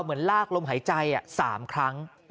เหมือนลากลมหายใจ๓ครั้ง